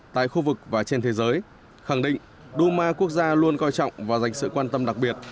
tại khu vực và trên thế giới khẳng định duma quốc gia luôn coi trọng và dành sự quan tâm đặc biệt